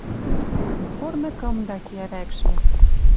Но корны кымда киӓ вӓкшмӹ.